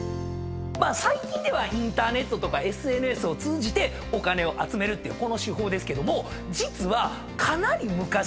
最近ではインターネットとかＳＮＳを通じてお金を集めるっていうこの手法ですけども実は。